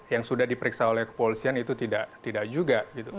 yang sudah diperiksa oleh kepolisian itu tidak juga